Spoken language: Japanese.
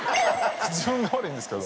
自分が悪いんですけど。